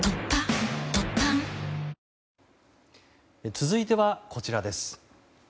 続いてはこちらです。